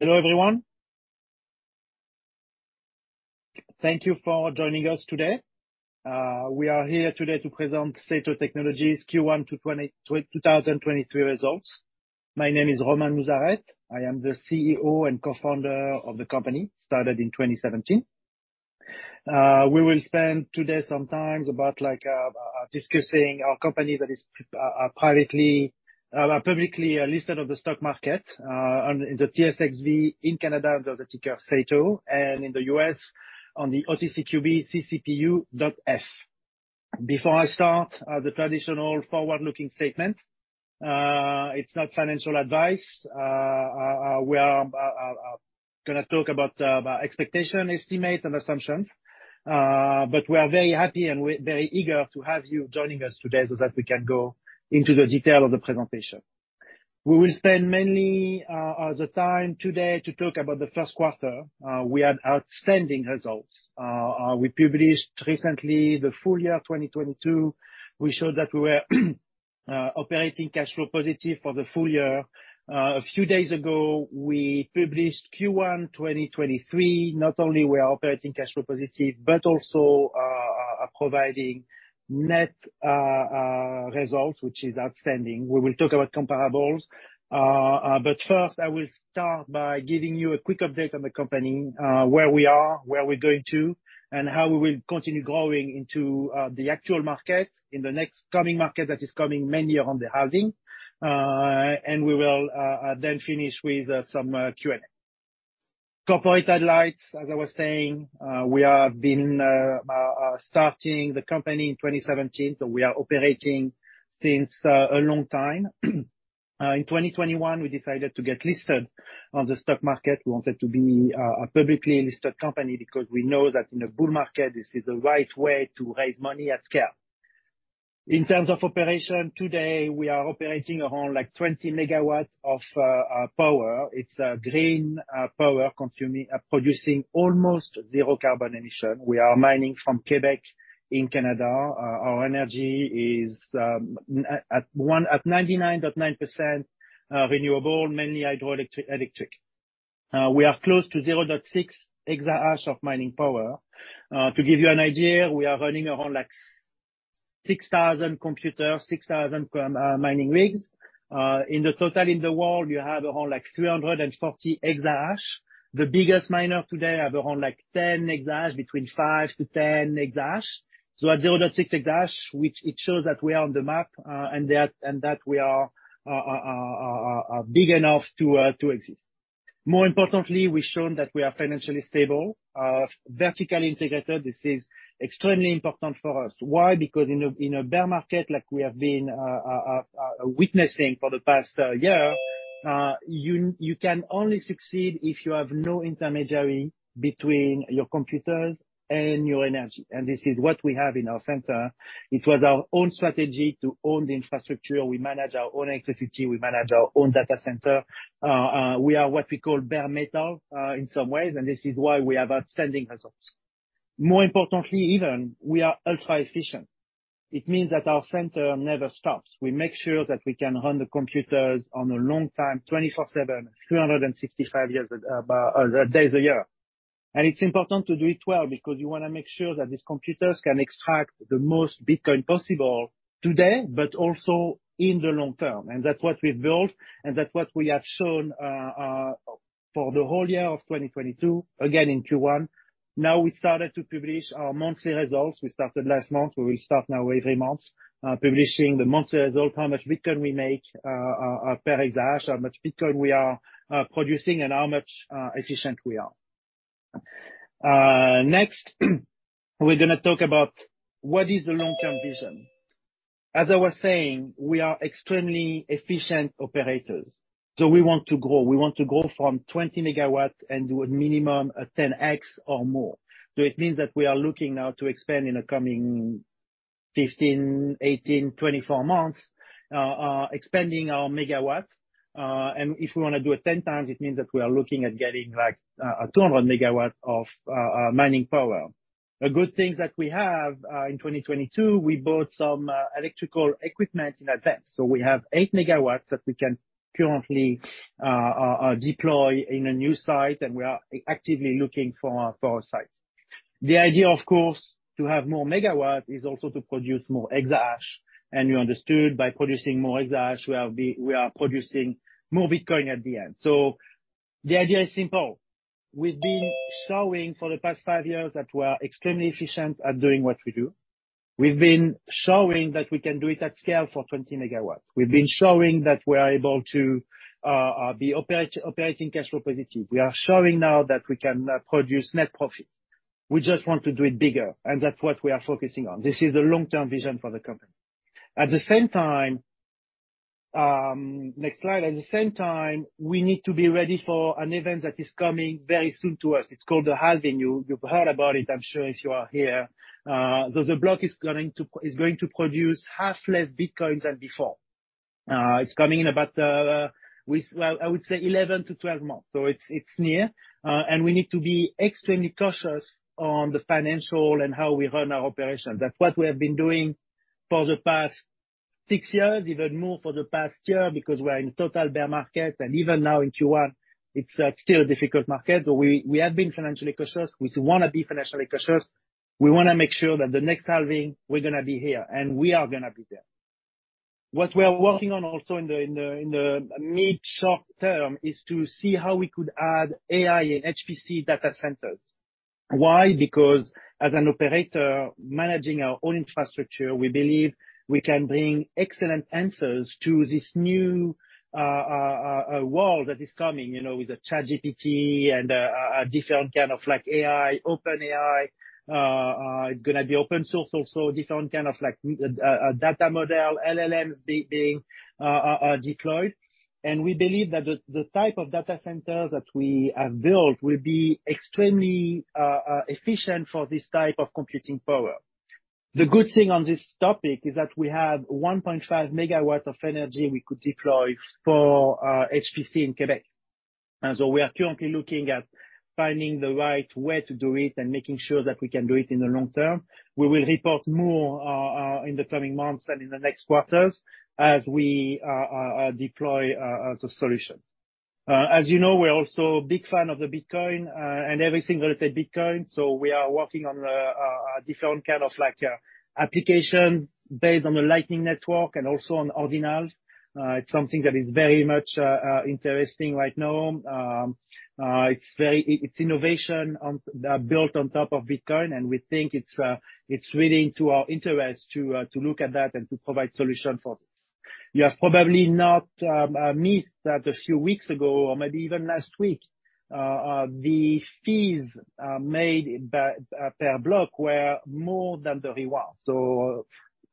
Hello everyone. Thank you for joining us today. We are here today to present SATO Technologies Q1 2023 Results. My name is Romain Nouzareth. I am the CEO and Co-founder of the company, started in 2017. We will spend today some times about like discussing our company that is publicly listed on the stock market on the TSXV in Canada under the ticker SATO, and in the U.S. on the OTCQB: CCPUF. Before I start, the traditional forward-looking statement, it's not financial advice. We are gonna talk about expectation estimate and assumptions. We are very happy and we're very eager to have you joining us today so that we can go into the detail of the presentation. We will spend mainly the time today to talk about the first quarter. We had outstanding results. We published recently the full year 2022. We showed that we were operating cash flow positive for the full year. A few days ago, we published Q1 2023. Not only we are operating cash flow positive, but also providing net results, which is outstanding. We will talk about comparables. First, I will start by giving you a quick update on the company, where we are, where we're going to, and how we will continue growing into the actual market, in the next coming market that is coming mainly on the halving. We will then finish with some Q&A. Corporate highlights, as I was saying, we have been starting the company in 2017, so we are operating since a long time. In 2021, we decided to get listed on the stock market. We wanted to be a publicly listed company because we know that in a bull market, this is the right way to raise money at scale. In terms of operation, today we are operating around like 20 MW of power. It's green power consuming... producing almost zero carbon emission. We are mining from Quebec in Canada. Our energy is at 99.9% renewable, mainly hydroelectric. We are close to 0.6 EH of mining power. To give you an idea, we are running around like 6,000 computers, 6,000 mining rigs. In the total in the world, you have around like 340 EH The biggest miner today have around like 10 EH, between 5-10 EH. At 0.6 EH, which it shows that we are on the map, and that we are big enough to exist. More importantly, we've shown that we are financially stable. Vertically integrated. This is extremely important for us. Why? Because in a bear market like we have been witnessing for the past year, you can only succeed if you have no intermediary between your computers and your energy. This is what we have in our center. It was our own strategy to own the infrastructure. We manage our own electricity. We manage our own data center. We are what we call bare metal in some ways, and this is why we have outstanding results. More importantly even, we are ultra-efficient. It means that our center never stops. We make sure that we can run the computers on a long time, 24/7, 365 years days a year. It's important to do it well because you wanna make sure that these computers can extract the most Bitcoin possible today, but also in the long term. That's what we've built, and that's what we have shown for the whole year of 2022, again in Q1. Now we started to publish our monthly results. We started last month. We will start now every month publishing the monthly result, how much Bitcoin we make per exahash, how much Bitcoin we are producing, and how much efficient we are. Next, we're gonna talk about what is the long-term vision. As I was saying, we are extremely efficient operators, so we want to grow. We want to grow from 20 MW and do a minimum of 10x or more. It means that we are looking now to expand in the coming 15, 18, 24 months, expanding our megawatt. And if we wanna do it 10x, it means that we are looking at getting, like, a 200 MW of mining power. The good things that we have, in 2022, we bought some electrical equipment in advance. We have 8 MW that we can currently deploy in a new site, and we are actively looking for a site. The idea, of course, to have more megawatt is also to produce more exahash. You understood by producing more exahash, we are producing more Bitcoin at the end. The idea is simple. We've been showing for the past five years that we are extremely efficient at doing what we do. We've been showing that we can do it at scale for 20 MW. We've been showing that we are able to be operating cash flow positive. We are showing now that we can produce net profit. We just want to do it bigger, and that's what we are focusing on. This is the long-term vision for the company. At the same time, next slide. At the same time, we need to be ready for an event that is coming very soon to us. It's called the halving. You've heard about it, I'm sure, if you are here. The block is going to produce half less Bitcoin than before. It's coming in about. Well, I would say 11 to 12 months. It's near, and we need to be extremely cautious on the financial and how we run our operations. That's what we have been doing for the past six years, even more for the past year, because we're in total bear market, and even now in Q1, it's still a difficult market. We have been financially cautious. We wanna be financially cautious. We wanna make sure that the next halving, we're gonna be here, and we are gonna be there. What we are working on also in the mid-short term is to see how we could add AI and HPC data centers. Why? Because as an operator managing our own infrastructure, we believe we can bring excellent answers to this new world that is coming, you know, with the ChatGPT and different kind of like AI, OpenAI. It's gonna be open source also, different kind of like data model, LLMs being deployed. We believe that the type of data centers that we have built will be extremely efficient for this type of computing power. The good thing on this topic is that we have 1.5 MW of energy we could deploy for HPC in Quebec. We are currently looking at finding the right way to do it and making sure that we can do it in the long term. We will report more in the coming months and in the next quarters as we deploy the solution. As you know, we are also a big fan of the Bitcoin and everything related to Bitcoin, so we are working on a different kind of like application based on the Lightning Network and also on Ordinals. It's something that is very much interesting right now. It's innovation on built on top of Bitcoin, and we think it's really to our interest to look at that and to provide solution for this. You have probably not missed that a few weeks ago, or maybe even last week, the fees made by per block were more than the reward.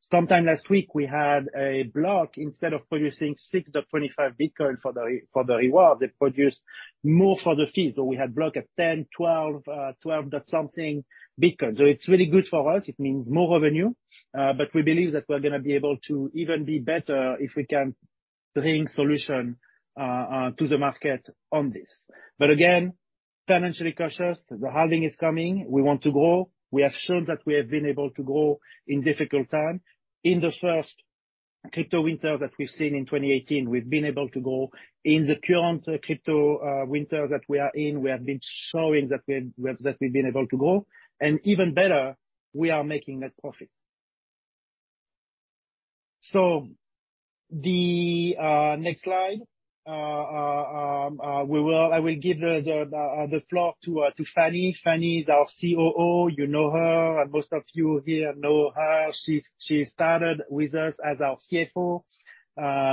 Sometime last week we had a block, instead of producing 6.25 BTC for the reward, they produced more for the fees. We had block at 10, 12-point-something Bitcoin. It's really good for us. It means more revenue, but we believe that we're gonna be able to even be better if we can bring solution to the market on this. Again, financially cautious. The halving is coming. We want to grow. We have shown that we have been able to grow in difficult time. In the first crypto winter that we've seen in 2018, we've been able to grow. In the current crypto winter that we are in, we have been showing that we've been able to grow. Even better, we are making net profit. The next slide. I will give the floor to Fanny. Fanny is our COO. You know her, and most of you here know her. She started with us as our CFO.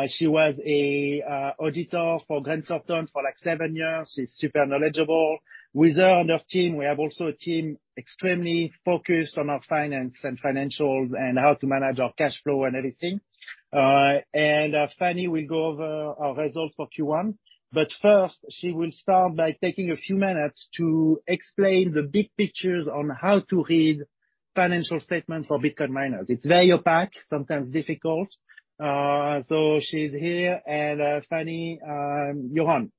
She was a auditor for Grant Thornton for like seven years. She's super knowledgeable. With her on her team, we have also a team extremely focused on our finance and financials and how to manage our cash flow and everything. Fanny will go over our results for Q1. First, she will start by taking a few minutes to explain the big pictures on how to read financial statements for Bitcoin miners. It's very opaque, sometimes difficult. She's here, and Fanny, you're on.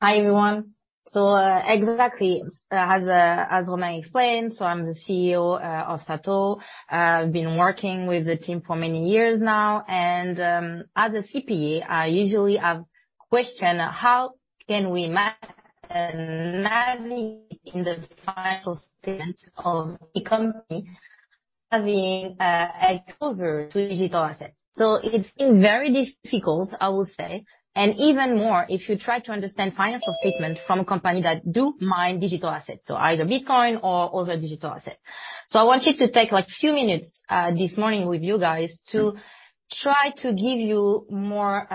Hi, everyone. Exactly as Romain explained, I'm the COO of SATO. I've been working with the team for many years now. As a CPA, I usually have question, how can we navigate in the financial statements of a company having exposure to digital assets? It's been very difficult, I will say, and even more if you try to understand financial statements from companies that do mine digital assets, either Bitcoin or other digital assets. I wanted to take like few minutes this morning with you guys to try to give you more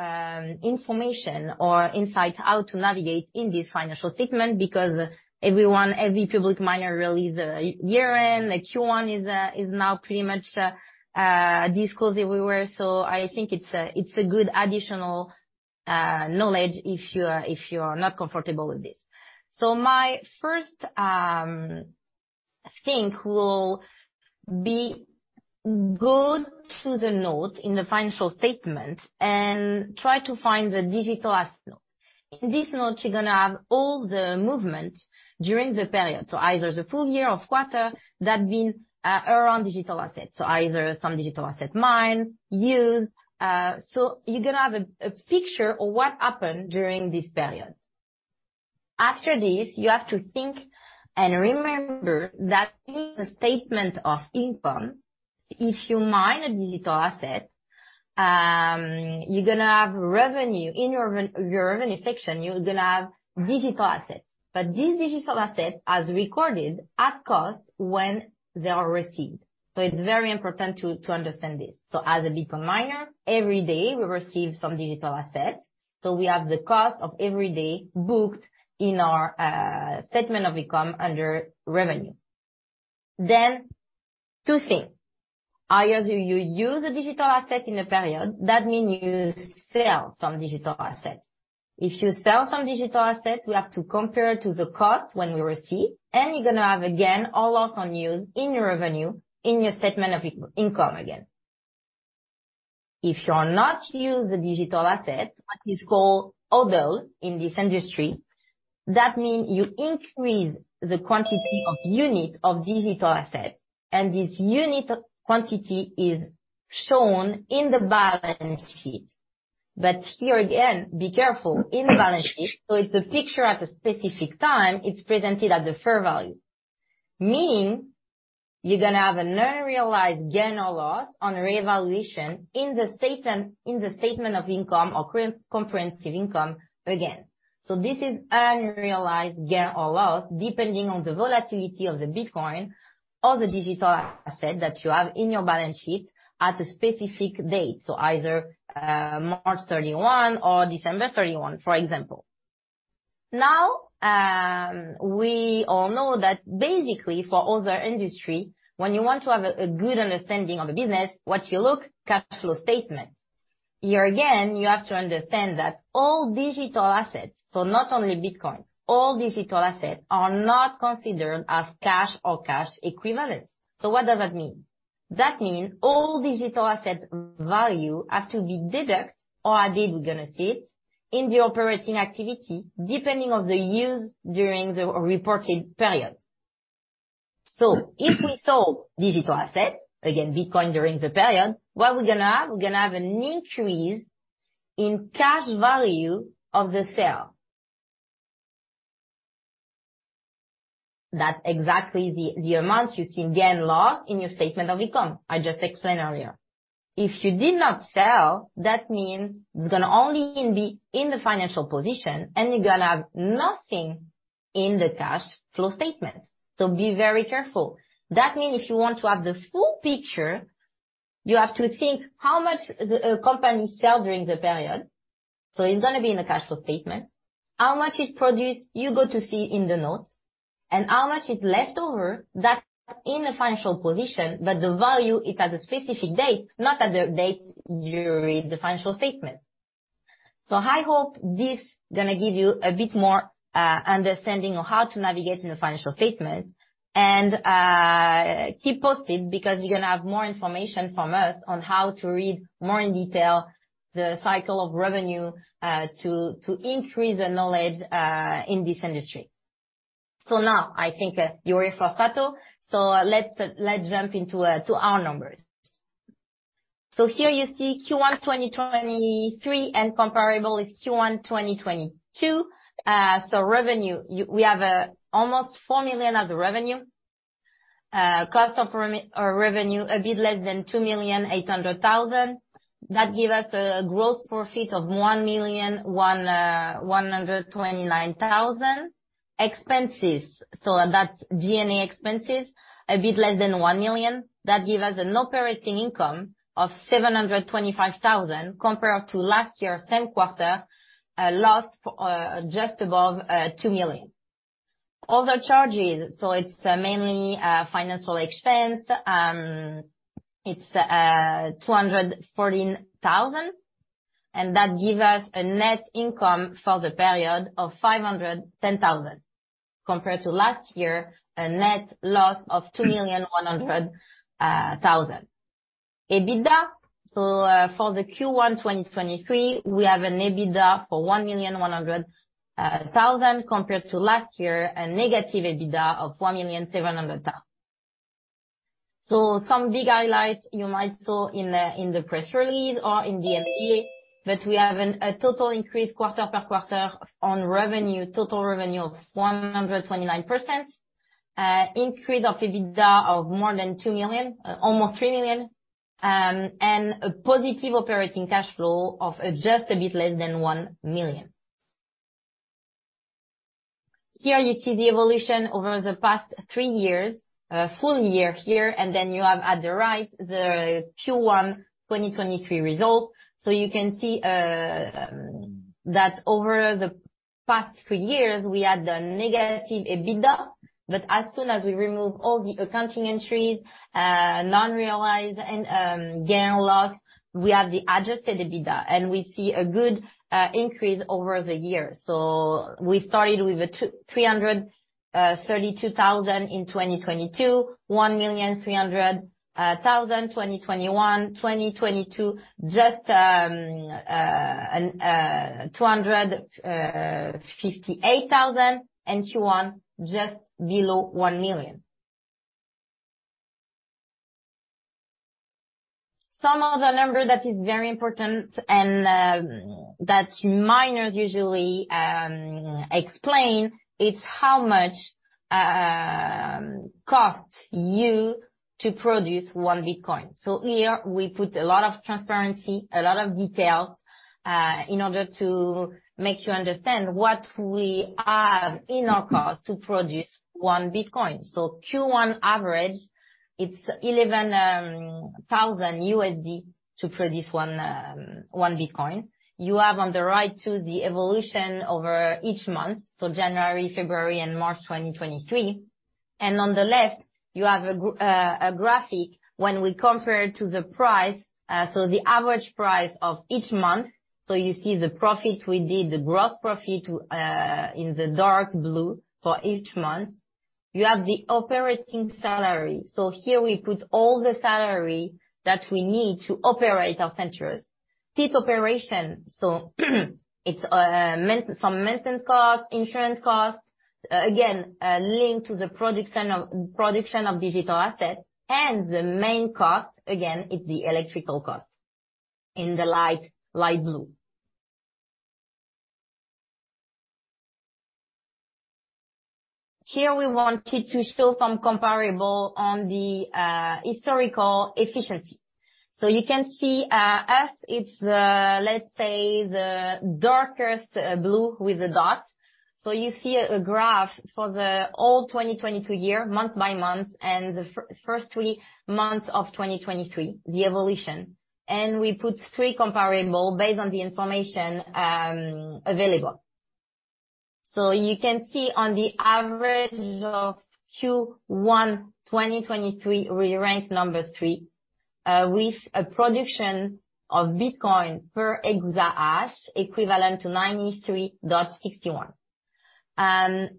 information or insight how to navigate in this financial statement because everyone, every public miner release their year-end. Like, Q1 is now pretty much disclosed everywhere. I think it's a good additional knowledge if you're not comfortable with this. My first thing will be go through the notes in the financial statement and try to find the digital asset note. In this note, you're gonna have all the movement during the period, either the full year or quarter that been around digital assets, either some digital asset mined, used. You're gonna have a picture of what happened during this period. After this, you have to think and remember that in the statement of income, if you mine a digital asset, you're gonna have revenue in your revenue section, you're gonna have digital assets. These digital assets are recorded at cost when they are received. It's very important to understand this. As a Bitcoin miner, every day we receive some digital assets. We have the cost of every day booked in our statement of income under revenue. Two thing. Either you use a digital asset in a period, that mean you sell some digital asset. If you sell some digital asset, we have to compare to the cost when we receive, and you're gonna have again all of unused in your revenue, in your statement of income again. If you are not use the digital asset, what is called HODL in this industry. That mean you increase the quantity of unit of digital asset, and this unit quantity is shown in the balance sheet. Here again, be careful in the balance sheet. It's a picture at a specific time. It's presented at the fair value. You're going to have an unrealized gain or loss on revaluation in the statement, in the statement of income or comprehensive income again. This is unrealized gain or loss depending on the volatility of the Bitcoin or the digital asset that you have in your balance sheet at a specific date. Either, March 31 or December 31, for example. We all know that basically for other industry, when you want to have a good understanding of the business, what you look, cash flow statement. Here again, you have to understand that all digital assets, so not only Bitcoin, all digital assets are not considered as cash or cash equivalents. What does that mean? That means all digital asset value has to be deduct or added, we're going to see it, in the operating activity depending on the use during the reported period. If we sold digital asset, again Bitcoin during the period, what we're gonna have? We're gonna have an increase in cash value of the sale. That's exactly the amount you see in gain loss in your statement of income. I just explained earlier. If you did not sell, that means it's gonna only in the financial position, and you're gonna have nothing in the cash flow statement. Be very careful. That mean if you want to have the full picture, you have to think how much the company sell during the period. It's gonna be in the cash flow statement. How much is produced, you go to see in the notes. How much is left over, that's in the financial position, but the value is at a specific date, not at the date you read the financial statement. I hope this going to give you a bit more understanding of how to navigate in the financial statement. Keep posted because you're going to have more information from us on how to read more in detail the cycle of revenue to increase the knowledge in this industry. Now I think you're ready for SATO. Let's jump into our numbers. Here you see Q1 of 2023 and comparable is Q1 2022. Revenue. We have almost 4 million as revenue. Cost of revenue, a bit less than 2,800,000. That give us a gross profit of 1,129,000. Expenses, that's G&A expenses, a bit less than 1 million. That give us an operating income of 725,000, compared to last year same quarter, a loss just above 2 million. Other charges, it's mainly financial expense. It's 214,000, that give us a net income for the period of 510,000, compared to last year, a net loss of 2,100,000. EBITDA, for the Q1 2023, we have an EBITDA for 1,100,000, compared to last year, a negative EBITDA of 4,700,000. Some big highlights you might saw in the press release or in the MD&A, we have a total increase quarter-over-quarter on revenue, total revenue of 129%. Increase of EBITDA of more than 2 million, almost 3 million. A positive operating cash flow of just a bit less than 1 million. Here you see the evolution over the past three years, full year here, and then you have at the right, the Q1 2023 results. You can see that over the past three years, we had a negative EBITDA, but as soon as we remove all the accounting entries, non-realized and gain loss, we have the adjusted EBITDA, and we see a good increase over the years. We started with 332,000 in 2022, 1,300,000, 2021, 2022, just 258,000, and Q1 just below 1 million. Some other number that is very important and that miners usually explain is how much costs you to produce 1 BTC. Here we put a lot of transparency, a lot of details, in order to make you understand what we have in our cost to produce 1 BTC. Q1 average, it's $11,000 to produce 1 BTC. You have on the right too, the evolution over each month, January, February, and March 2023. On the left, you have a graphic when we compare to the price, so the average price of each month. You see the profit we did, the gross profit, in the dark blue for each month. You have the operating salary. Here we put all the salary that we need to operate our centers. Site operation. It's some maintenance costs, insurance costs, again, linked to the production of digital assets. The main cost, again, is the electrical cost in the light blue. Here we wanted to show some comparable on the historical efficiency. You can see us, it's the, let's say, the darkest blue with the dot. You see a graph for the whole 2022 year, month by month, and the first three months of 2023, the evolution. We put three comparable based on the information available. You can see on the average of Q1 2023, we ranked number three with a production of Bitcoin per exahash equivalent to 93.61.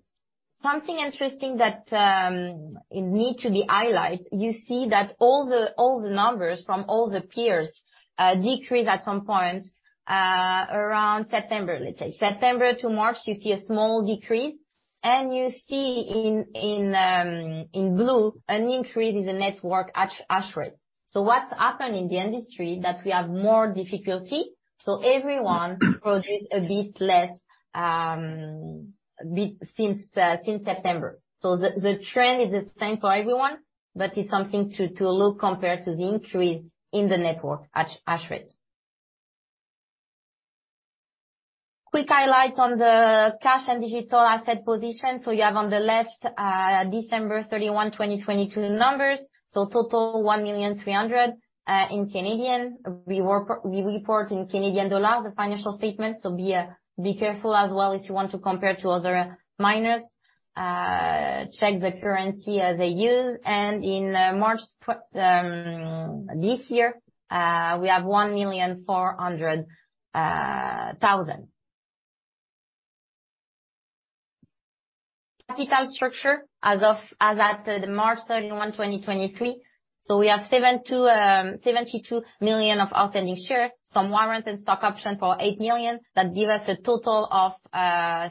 Something interesting that it need to be highlighted, you see that all the numbers from all the peers decreased at some point around September, let's say. September to March, you see a small decrease. You see in blue an increase in the network hashrate. What's happened in the industry, that we have more difficulty, everyone produce a bit less since September. The trend is the same for everyone, but it's something to look compared to the increase in the network hashrate. Quick highlight on the cash and digital asset position. You have on the left, December 31, 2022 numbers, total 1.3 million. We report in Canadian dollar the financial statements, so be careful as well if you want to compare to other miners. Check the currency they use. In March this year, we have 1,400,000. Capital structure as at March 31, 2023. We have 72 million of outstanding shares, some warrants and stock option for 8 million. That give us a total of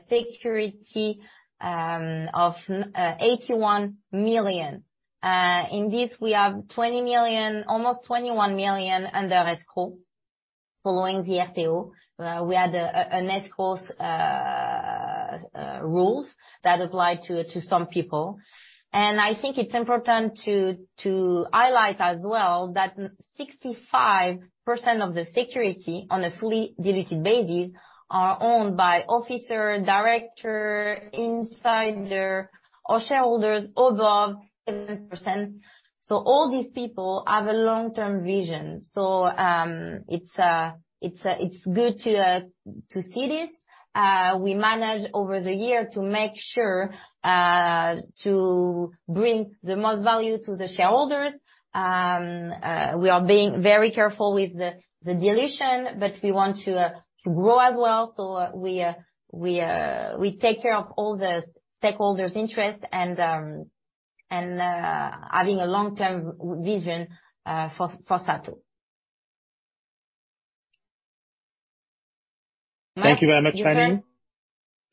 security of 81 million. In this, we have 20 million, almost 21 million under [escrow] following the RTO. We had an escrow rules that applied to some people. I think it's important to highlight as well that 65% of the security on a fully diluted basis are owned by officer, director, insider or shareholders above 7%. All these people have a long-term vision. It's good to see this. We manage over the year to make sure to bring the most value to the shareholders. We are being very careful with the dilution, but we want to grow as well. We take care of all the stakeholders' interests and having a long-term vision for SATO. Th+ank you very much, Fanny.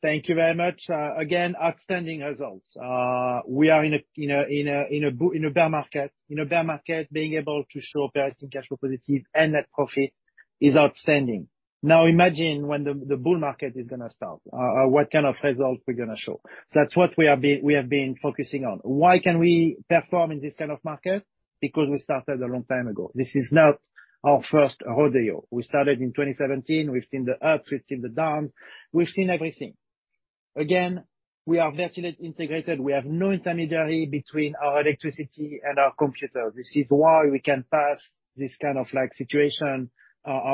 Thank you very much. Again, outstanding results. We are in a bear market. In a bear market, being able to show operating cash flow positive and net profit is outstanding. Now imagine when the bull market is gonna start, what kind of results we're gonna show. That's what we have been focusing on. Why can we perform in this kind of market? Because we started a long time ago. This is not our first rodeo. We started in 2017. We've seen the ups, we've seen the downs. We've seen everything. Again, we are vertically integrated. We have no intermediary between our electricity and our computer. This is why we can pass this kind of, like, situation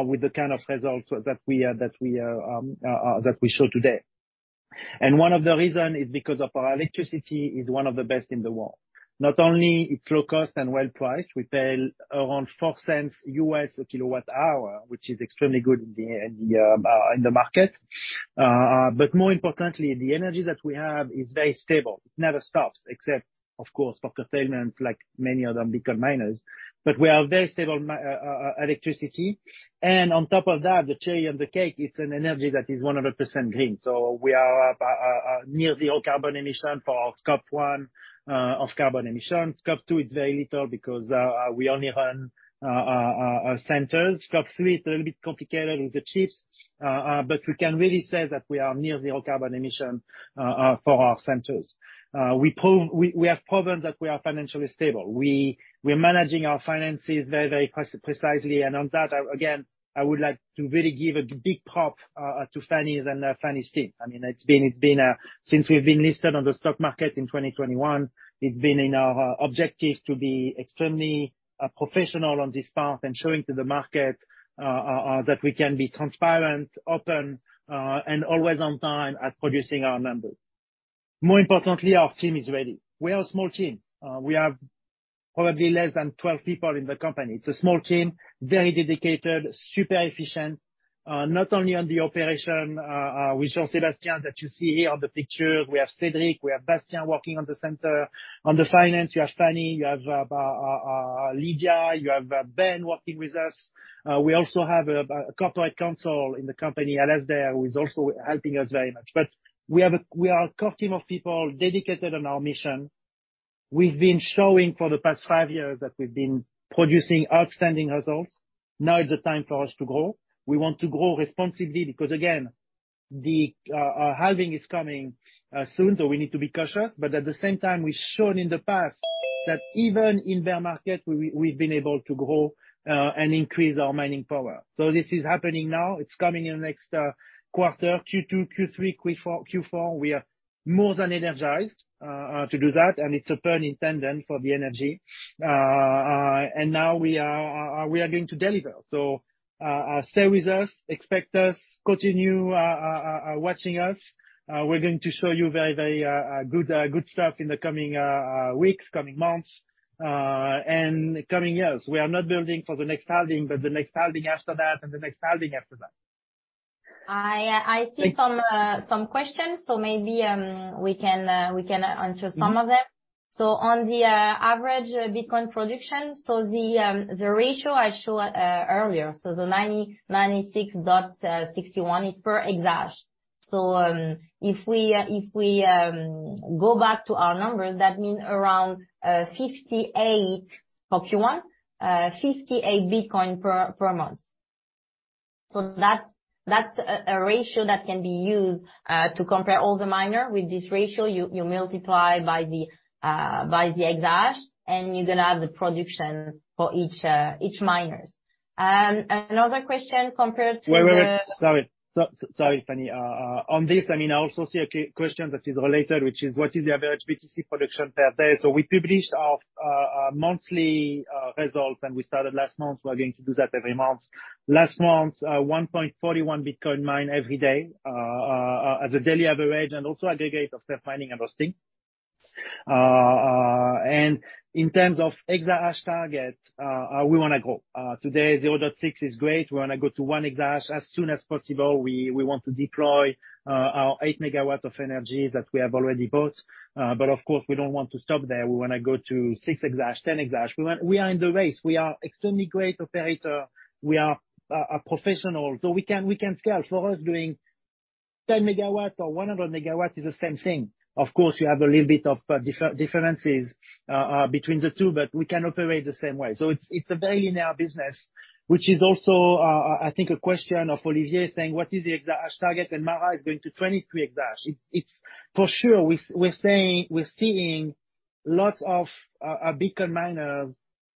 with the kind of results that we show today. One of the reason is because of our electricity is one of the best in the world. Not only it's low cost and well priced, we pay around $0.04 a kWh, which is extremely good in the in the market. But more importantly, the energy that we have is very stable. It never stops, except of course for the maintenance like many other Bitcoin miners. We have very stable electricity. On top of that, the cherry on the cake, it's an energy that is 100% green. We are near zero carbon emission for our Scope 1 of carbon emissions. Scope 2 is very little because we only run our centers. Scope 3, it's a little bit complicated with the chips. We can really say that we are near zero carbon emission for our centers. We have proven that we are financially stable. We're managing our finances very, very precisely. On that, again, I would like to really give a big prop to Fanny and Fanny's team. I mean, it's been since we've been listed on the stock market in 2021, it's been in our objectives to be extremely professional on this path and showing to the market that we can be transparent, open and always on time at producing our numbers. More importantly, our team is ready. We are a small team. We have probably less than 12 people in the company. It's a small team, very dedicated, super efficient. Not only on the operation, we saw [Sébastien] that you see here on the picture. We have Cedric, we have [Bastien] working on the center. On the finance, you have Fanny, you have Lydia, you have Ben working with us. We also have a Corporate Counsel in the company, Alasdair, who is also helping us very much. We have a core team of people dedicated on our mission. We've been showing for the past five years that we've been producing outstanding results. Now is the time for us to grow. We want to grow responsibly because, again, the halving is coming soon, we need to be cautious. At the same time, we've shown in the past that even in bear market, we've been able to grow and increase our mining power. This is happening now. It's coming in next quarter, Q2, Q3, Q4. We are more than energized to do that, and it's a burning question for the energy. Now we are going to deliver. Stay with us, expect us, continue watching us. We're going to show you very, very good stuff in the coming weeks, coming months, and coming years. We are not building for the next halving, but the next halving after that, and the next halving after that. I see some questions. Maybe we can answer some of them. On the average Bitcoin production, the ratio I showed earlier, the 96.61 is per exahash. If we go back to our numbers, that means around 58 for Q1, 58 BTC per month. That's a ratio that can be used to compare all the miner with this ratio. You multiply by the exahash, and you're gonna have the production for each miners. Another question compared to the. Sorry, Fanny. On this, I mean, I also see a question that is related, which is what is the average BTC production per day? We publish our monthly results, and we started last month. We are going to do that every month. Last month, 1.41 BTC mined every day as a daily average and also aggregate of self-mining and hosting. In terms of EH target, we wanna grow. Today 0.6 is great. We wanna go to 1 EH as soon as possible. We want to deploy our 8 MW of energy that we have already bought. Of course, we don't want to stop there. We wanna go to 6 EH, 10 EH. We are in the race. We are extremely great operator. We are a professional, we can scale. For us, doing 10 MW or 100 MW is the same thing. Of course, you have a little bit of differences between the two, we can operate the same way. It's a daily in our business, which is also, I think a question of [Olivier] saying, "What is the EH target?" [MARA] is going to 23 EH. It's for sure. We're seeing lots of Bitcoin miners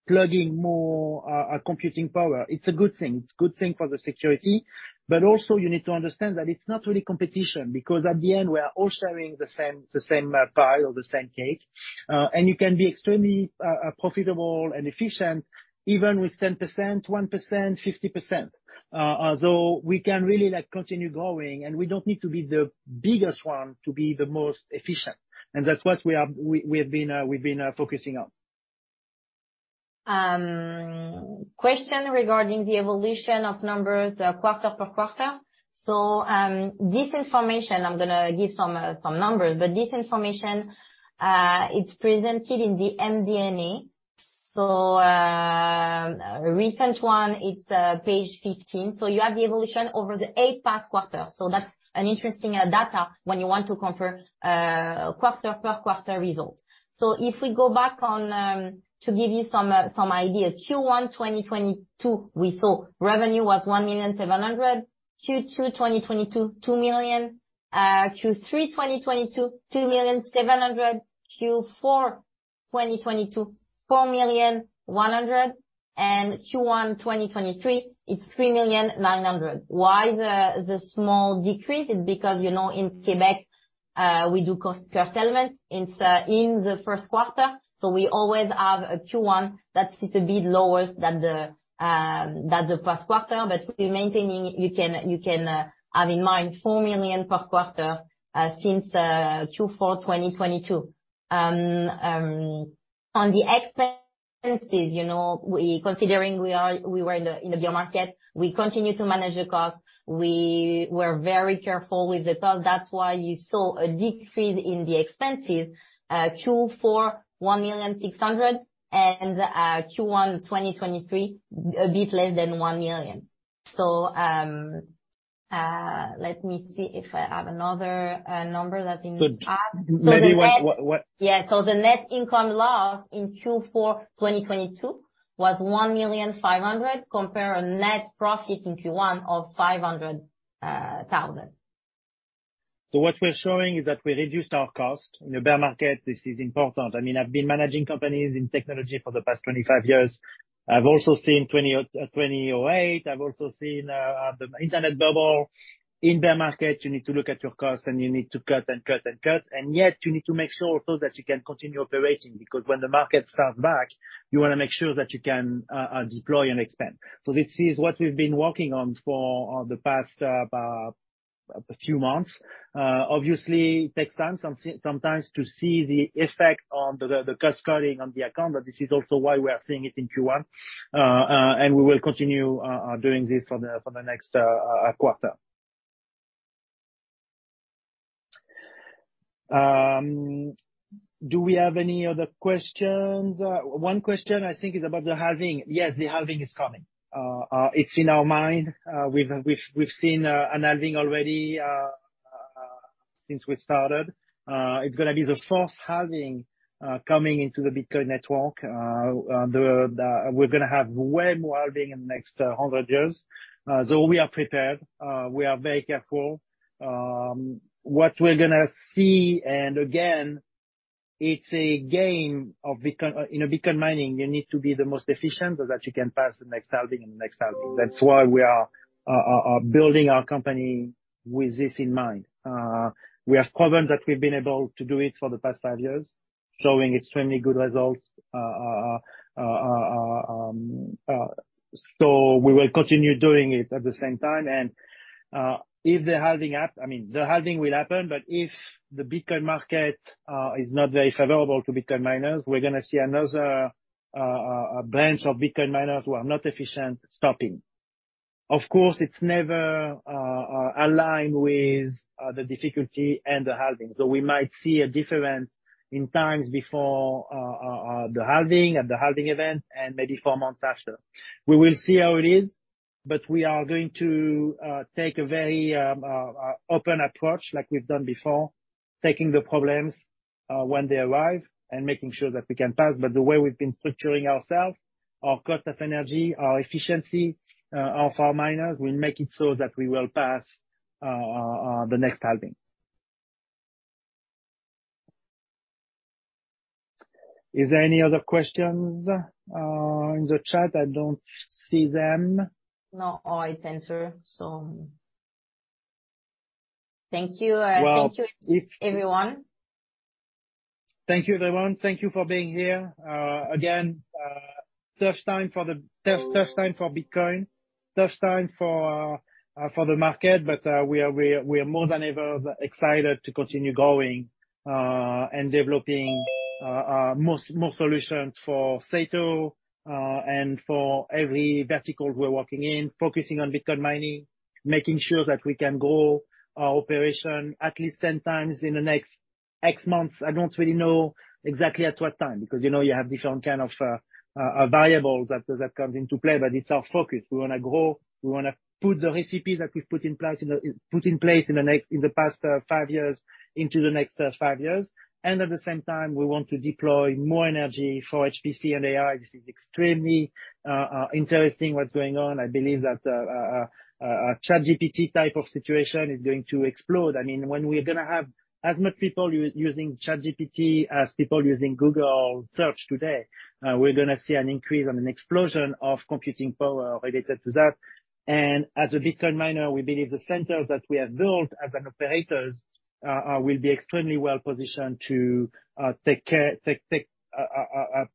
plugging more computing power. It's a good thing. It's a good thing for the security. Also you need to understand that it's not really competition because at the end we are all sharing the same pie or the same cake. You can be extremely profitable and efficient even with 10%, 1%, 50%. We can really, like, continue growing, and we don't need to be the biggest one to be the most efficient. That's what we are, we've been focusing on. Question regarding the evolution of numbers quarter per quarter. This information, I'm gonna give some numbers, but this information, it's presented in the MD&A. Recent one, it's page 15. You have the evolution over the eight past quarters. That's an interesting data when you want to compare quarter per quarter results. If we go back to give you some idea, Q1 2022, we saw revenue was 1,000,700 Q2 2022, 2 million. Q3 2022, 2,000,700. Q4 2022, 4,000,100. Q1 2023, it's 3,000,900. Why the small decrease? It's because, you know, in Quebec, we do [cost per element] in the first quarter. We always have a Q1 that is a bit lower than the first quarter. We're maintaining, you can have in mind 4 million per quarter since Q4 2022. On the expenses, you know, considering we were in a bear market, we continue to manage the cost. We were very careful with the cost. That's why you saw a decrease in the expenses, Q4, 1,000,600, Q1 2023, a bit less than 1 million. Let me see if I have another number that we need to add. So- So the net- The what. Yeah. The net income loss in Q4 2022 was 1,000,500, compared a net profit in Q1 of 500,000. What we're showing is that we reduced our cost. In a bear market, this is important. I mean, I've been managing companies in technology for the past 25 years. I've also seen 2008. I've also seen the Internet bubble. In bear market, you need to look at your cost, and you need to cut and cut and cut. You need to make sure also that you can continue operating, because when the market starts back, you wanna make sure that you can deploy and expand. This is what we've been working on for the past a few months. Obviously it takes time sometimes to see the effect on the cost cutting on the account, but this is also why we are seeing it in Q1. We will continue doing this for the next quarter. Do we have any other questions? One question I think is about the halving. Yes, the halving is coming. It's in our mind. We've seen an halving already since we started. It's gonna be the first halving coming into the Bitcoin network. We're gonna have way more halving in the next 100 years. We are prepared. We are very careful. What we're gonna see, again, in a Bitcoin mining, you need to be the most efficient so that you can pass the next halving and the next halving. That's why we are building our company with this in mind. We have proven that we've been able to do it for the past five years, showing extremely good results. We will continue doing it at the same time. If the halving I mean, the halving will happen, but if the Bitcoin market is not very favorable to Bitcoin miners, we're gonna see another branch of Bitcoin miners who are not efficient stopping. Of course, it's never aligned with the difficulty and the halving. We might see a difference in times before the halving and the halving event and maybe four months after. We will see how it is, but we are going to take a very open approach like we've done before, taking the problems when they arrive and making sure that we can pass. The way we've been structuring ourselves, our cost of energy, our efficiency of our miners will make it so that we will pass the next halving. Is there any other questions in the chat? I don't see them. No, all is answered, so thank you. Well. Thank you, everyone. Thank you, everyone. Thank you for being here. Again, tough time for Bitcoin. Tough time for the market. We are more than ever excited to continue growing and developing more solutions for SATO and for every vertical we're working in, focusing on Bitcoin mining, making sure that we can grow our operation at least 10x in the next X months. I don't really know exactly at what time, because you know, you have different kind of variables that comes into play, but it's our focus. We wanna grow, we wanna put the recipes that we've put in place, you know, put in place in the past, five years into the next, five years. At the same time, we want to deploy more energy for HPC and AI. This is extremely interesting, what's going on. I believe that a ChatGPT type of situation is going to explode. I mean, when we're gonna have as much people using ChatGPT as people using Google Search today, we're gonna see an increase and an explosion of computing power related to that. As a Bitcoin miner, we believe the centers that we have built as an operators will be extremely well positioned to take care, take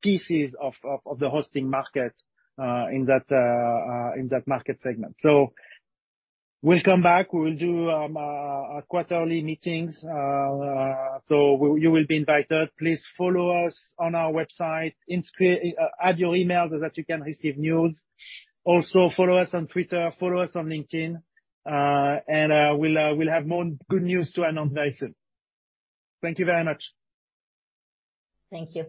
pieces of the hosting market in that market segment. We'll come back. We will do quarterly meetings. You will be invited. Please follow us on our website. Add your email so that you can receive news. Also follow us on Twitter, follow us on LinkedIn, and we'll have more good news to announce very soon. Thank you very much. Thank you.